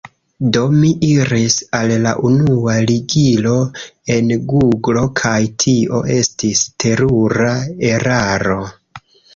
Do, mi iris al la unua ligilo en guglo kaj tio estis terura eraro.